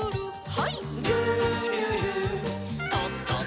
はい。